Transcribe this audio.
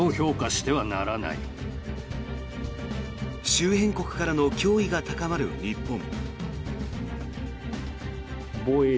周辺国からの脅威が高まる日本。